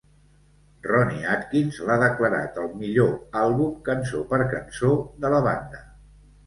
Ronnie Atkins l'ha declarat el "millor àlbum cançó per cançó" de la banda.